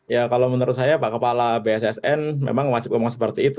ya kalau menurut saya pak kepala bssn memang wajib ngomong seperti itu